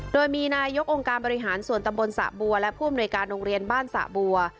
โดยมีนายกองค์การบริหารส่วนตำบลสะบัวและผู้อำนวยการโรงเรียนบ้านสะบัว